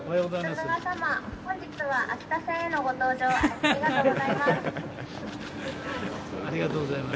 菅様、本日は秋田線へのご搭乗、ありがとうございます。